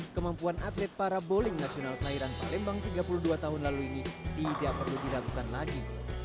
kemampuan atlet para bowling nasional kelahiran palembang tiga puluh dua tahun lalu ini tidak perlu diragukan lagi